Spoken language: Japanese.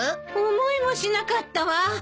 思いもしなかったわ。